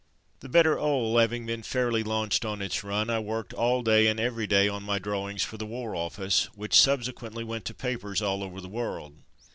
The Better 'Ole having been fairly launched on its run, I worked all day and every day on my drawings for the War Office, which sub sequently went to papers all over the world.